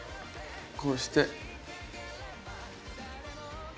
こうして。